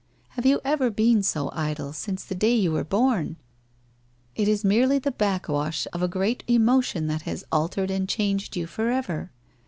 Have you ever been so idle since the day you were born? It it merely the back wash of a great emotion that has altered and changed you forever.